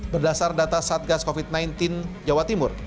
berdasar data satgas covid sembilan belas jawa timur